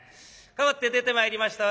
かわって出てまいりました